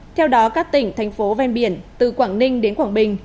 theo đó các tỉnh thành phố ven biển từ quảng ninh đến quảng bình